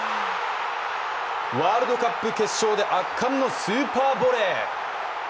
ワールドカップ決勝で圧巻のスーパーボレー。